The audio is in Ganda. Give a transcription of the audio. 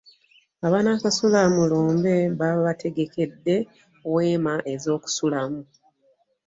Abanaasula mu lumbe babategekedde weema ez'okusulamu.